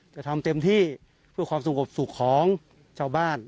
จะทำเต็มที่เพื่อความสงบสุขของชาวบ้าน